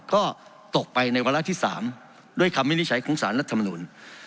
ก็ตกไปในวาระที่๓ด้วยคำวินิจฉัยของสารรัฐมนุน